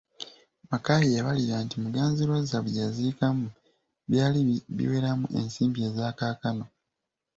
Mackay yabalirira nti Muganzirwazza bye yaziikwamu byali biweramu ensimbi eza kaakano.